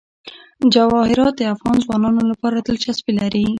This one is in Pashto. جواهرات د افغان ځوانانو لپاره دلچسپي لري.